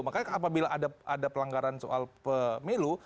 makanya apabila ada pelanggaran soal pemilu